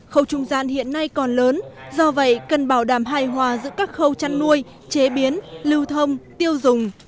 khâu trung gian hiện nay còn lớn do vậy cần bảo đảm hài hòa giữa các khâu chăn nuôi chế biến lưu thông tiêu dùng